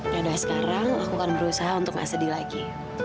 ya udah sekarang aku kan berusaha untuk nggak sedih lagi